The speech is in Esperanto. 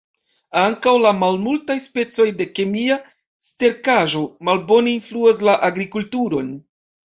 Ankaŭ la malmultaj specoj de kemia sterkaĵo malbone influas la agrikulturon.